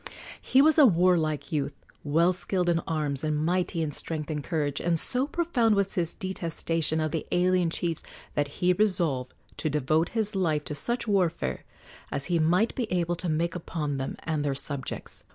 He was a warlike youth, well skilled in arms and mighty in strength and courage, and so profound was his detestation of the alien chiefs that he resolved to devote his life to such warfare as he might be able to make upon them and their subjects.